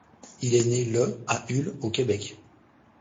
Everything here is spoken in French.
Il est né le à Hull, au Québec.